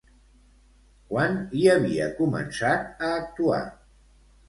Quan hi havia començat a actuar?